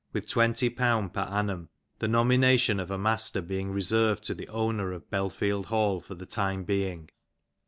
with 0^20 per " annum, the nomination of a master being reserved to the owner " of Belfield Hall for the time being.